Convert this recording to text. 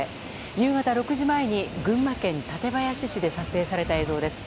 夕方６時前に群馬県館林市で撮影された映像です。